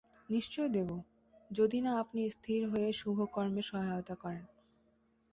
নিশ্চয় দেব, যদি না আপনি স্থির হয়ে শুভকর্মে সহায়তা করেন।